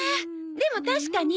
でも確かに。